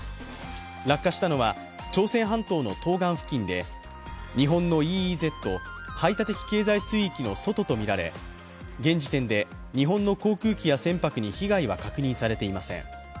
落下したのは朝鮮半島の東岸付近で日本のＥＥＺ＝排他的経済水域の外とみられ、現時点で日本の航空機や船舶に被害は確認されていません。